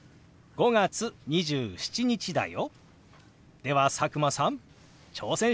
５月２７日だよ。